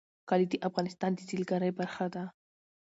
کلي د افغانستان د سیلګرۍ برخه ده.